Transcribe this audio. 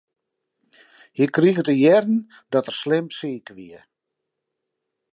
Hy krige te hearren dat er slim siik wie.